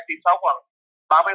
thì sốc vào